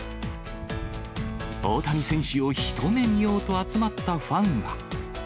大谷選手を一目見ようと集まったファンは。